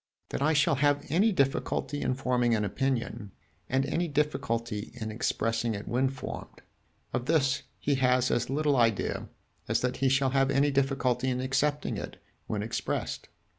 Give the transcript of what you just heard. "That I shall have any difficulty in forming an opinion, and any difficulty in expressing it when formed of this he has as little idea as that he shall have any difficulty in accepting it when expressed."